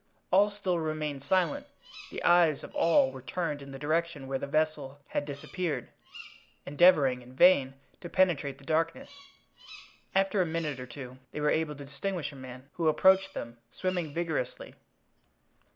All still remained silent, the eyes of all were turned in the direction where the vessel had disappeared, endeavoring in vain to penetrate the darkness. After a minute or two they were able to distinguish a man, who approached them, swimming vigorously.